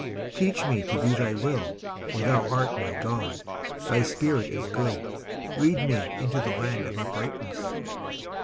19:143:010 Teach me to do thy will; for thou art my God: thy spirit is good; lead me into the land of uprightness.